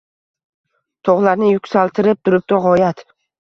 Tog‘larni yuksaltib turibdi g‘oyat.